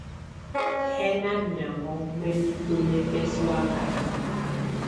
Hɛná miáŋɔ́ mǝ́nifǝ́ mɛ bɛ́sɔ̀áka.